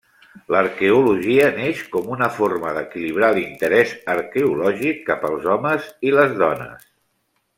L'arqueologia neix com una forma d'equilibrar l'interès arqueològic cap als homes i les dones.